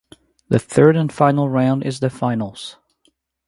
The third and final round is the finals.